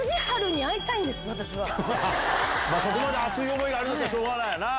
そこまで熱い思いがあるならしょうがないよな。